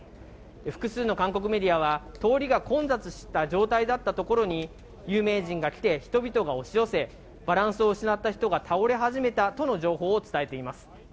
複数の韓国メディアは、通りが混雑した状態だったところに、有名人が来て人々が押し寄せ、バランスを失った人が倒れ始めたとの情報を伝えています。